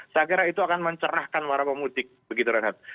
saya kira itu akan mencerahkan warapan mudik begitu renhardt